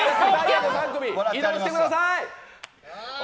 移動してください。